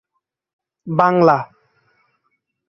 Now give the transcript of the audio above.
Bangla